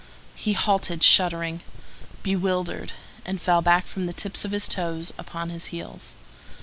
He halted, shuddering, bewildered, and fell back from the tips of his toes upon his heels.